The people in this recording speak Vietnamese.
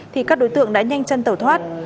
thì các đối tượng đã nhanh chân tẩu thoát